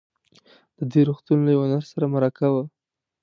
د دې روغتون له يوه نرس سره مرکه وه.